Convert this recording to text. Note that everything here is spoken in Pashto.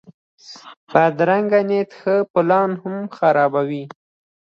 بدرنګه نیت ښه پلان هم خرابوي